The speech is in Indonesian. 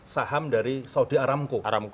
saham dari saudi aramco